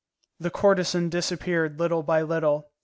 The courtesan disappeared little by little.